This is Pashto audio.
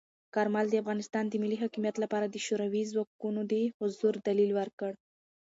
کارمل د افغانستان د ملی حاکمیت لپاره د شوروي ځواکونو د حضور دلیل ورکړ.